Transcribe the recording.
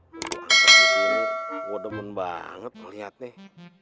waduh aku disini gue demen banget ngelihat nih